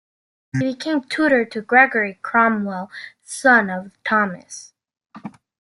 He became tutor to Gregory Cromwell, son of Thomas.